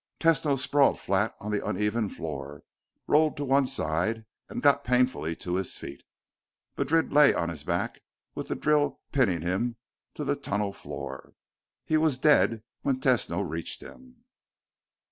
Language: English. Tesno sprawled flat on the uneven floor, rolled to one side, and got painfully to his feet. Madrid lay on his back with the drill pinning him to the tunnel floor. He was dead when Tesno reached him.